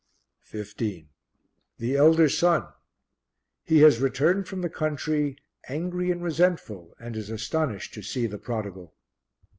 15. The Elder Son. He has returned from the country, angry and resentful, and is astonished to see the prodigal.